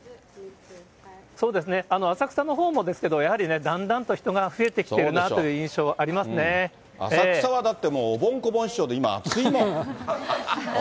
そうですね、浅草のほうもですけれども、やはりだんだんと人が増えてきているなという印象、浅草はだって、おぼんこぼん師匠で今、熱いもん。